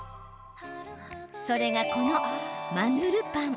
それが、このマヌルパン。